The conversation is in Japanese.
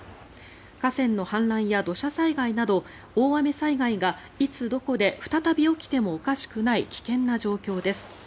河川の氾濫や土砂災害など大雨災害がいつどこで再び起きてもおかしくない危険な状況です。